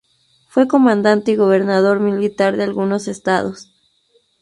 Fue comandante y gobernador militar de algunos estados.